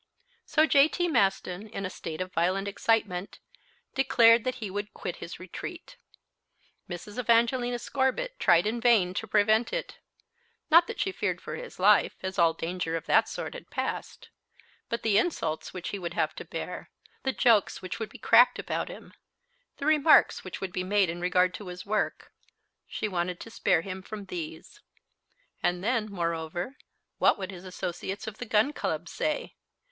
So J.T. Maston, in a state of violent excitement, declared that he would quit his retreat. Mrs. Evangelina Scorbitt tried in vain to prevent it. Not that she feared for his life, as all danger of that sort had passed. But the insults which he would have to bear, the jokes which would be cracked about him, the remarks which would be made in regard to his work she wanted to spare him from these. And then, moreover, what would his associates of the Gun Club say?